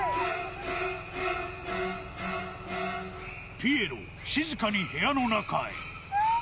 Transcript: ピエロ、静かに部屋の中へ。